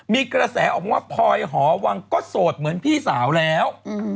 มีกระแสออกมาว่าพลอยหอวังก็โสดเหมือนพี่สาวแล้ว